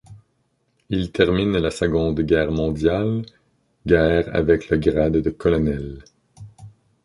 Il termine la Seconde Guerre mondiale guerre avec le grade de colonel.